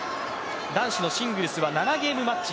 男子のシングルスは７ゲームマッチ